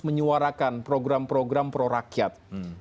menyuarakan program program pro rakyat